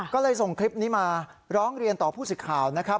ก็เลยส่งคลิปนี้มาร้องเรียนต่อผู้สิทธิ์ข่าวนะครับ